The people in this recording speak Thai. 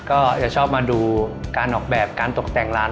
ก็จะชอบมาดูการออกแบบการตกแต่งร้าน